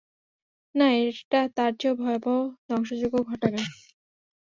না, এটা তার চেয়েও ভয়াবহ ধ্বংসযজ্ঞ ঘটাবে!